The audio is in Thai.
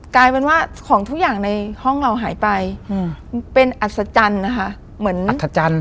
กลายเป็นว่าของทุกอย่างในห้องเราหายไปเป็นอัศจรรย์นะฮะ